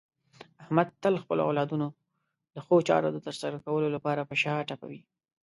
احمد تل خپل اولادونو د ښو چارو د ترسره کولو لپاره په شا ټپوي.